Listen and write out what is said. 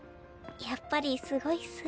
やっぱりすごいっす。